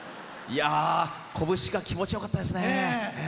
こぶしが気持ちよかったですね。